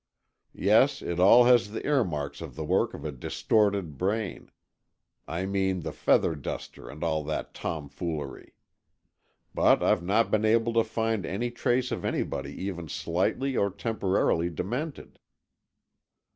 Yes, it all has the earmarks of the work of a distorted brain, I mean the feather duster and all that tomfoolery. But I've not been able to find any trace of anybody even slightly or temporarily demented."